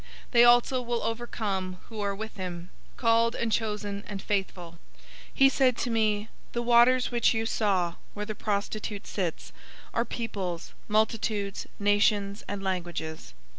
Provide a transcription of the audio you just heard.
They also will overcome who are with him, called and chosen and faithful." 017:015 He said to me, "The waters which you saw, where the prostitute sits, are peoples, multitudes, nations, and languages.